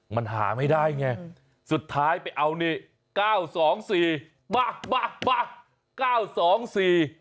มันหาไม่ได้ไงสุดท้ายไปเอานี่๙๒๔